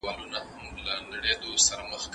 اسلام د خير او برکت دين دی.